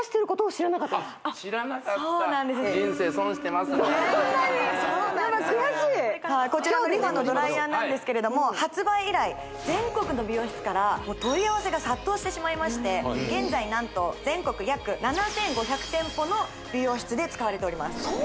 知らなかった今日で取り戻すこちらのＲｅＦａのドライヤーなんですけど発売以来全国の美容室から問い合わせが殺到してしまいまして現在何と全国約７５００店舗の美容室で使われております